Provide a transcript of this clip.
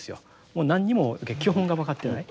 もう何にも基本が分かってない。